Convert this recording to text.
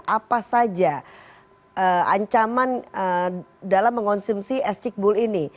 apa saja ancaman dalam mengonsumsi s cikbul ini